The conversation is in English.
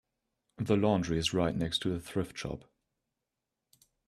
The laundry is right next to the thrift shop.